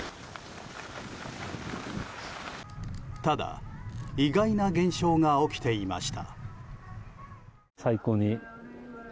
ただ、意外な現象が起きていました。